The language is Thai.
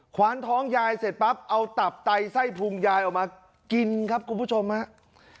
คว้านท้องยายเสร็จปั๊บเอาตับไตไส้พุงยายออกมากินครับคุณผู้ชมครับ